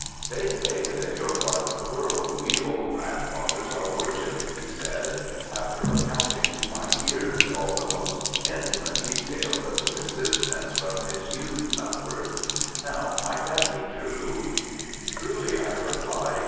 "They say that in your part of the world we old grandfathers are worshipped," he said, after recounting to my ears all the most intimate details of his existence from his youth upwards; "now, might that be right?" "Truly," I replied.